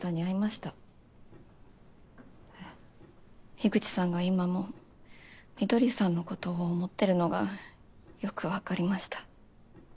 樋口さんが今も翠さんのことを想ってるのがよく分かりました。